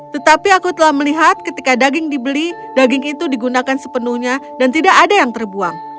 tetapi aku telah melihat ketika daging dibeli daging itu digunakan sepenuhnya dan tidak ada yang terbuang